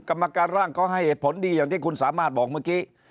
กรรมการร่างเขาให้เหตุผลดีอย่างที่คุณสามารถบอกเมื่อกี้